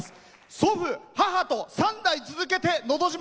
祖父と母と３代続けて「のど自慢」